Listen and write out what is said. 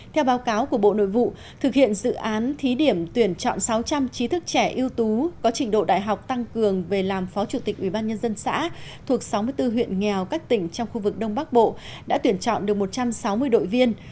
theo báo cáo của bộ nội vụ thực hiện dự án thí điểm tuyển chọn sáu trăm linh trí thức trẻ ưu tú có trình độ đại học tăng cường về làm phó chủ tịch ubnd xã thuộc sáu mươi bốn huyện nghèo các tỉnh trong khu vực đông bắc bộ đã tuyển chọn được một trăm sáu mươi đội viên